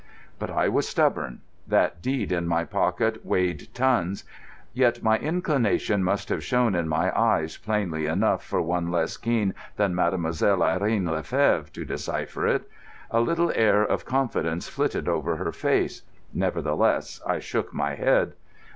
But I was stubborn. That deed in my pocket weighed tons. Yet my inclination must have shown in my eyes, plainly enough for one less keen than Mademoiselle Irene le Fevre to decipher it. A little air of confidence flitted over her face. Nevertheless, I shook my head.